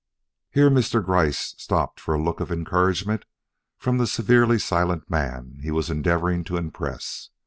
Here Mr. Gryce stopped for a look of encouragement from the severely silent man he was endeavoring to impress.